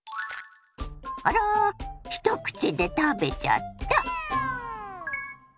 あら一口で食べちゃった！